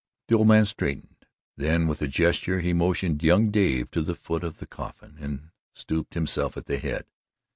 The old man straightened then and with a gesture he motioned young Dave to the foot of the coffin and stooped himself at the head.